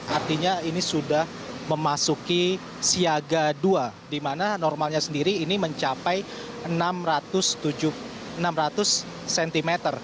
artinya ini sudah memasuki siaga dua di mana normalnya sendiri ini mencapai enam ratus cm